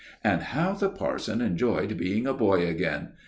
And how the parson enjoyed being a boy again!